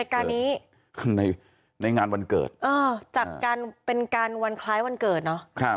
การนี้ในงานวันเกิดจากการเป็นการวันคล้ายวันเกิดเนอะ